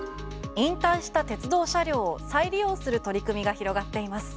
引退した鉄道車両を再利用する取り組みが広がっています。